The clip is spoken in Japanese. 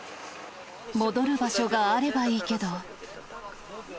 戻る場所があればいいけど。